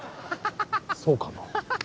そうかな。